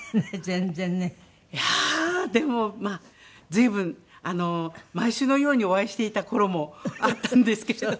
いやあでもまあ随分毎週のようにお会いしていた頃もあったんですけれども。